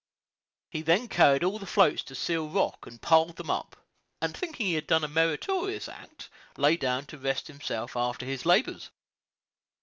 He then carried all the floats to the Seal Rock and piled them up, and thinking he had done a meritorious act, lay down to rest himself after his labors.